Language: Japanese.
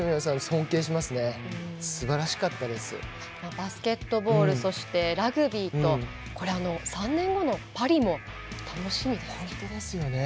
バスケットボールラグビーと３年後のパリも楽しみですね。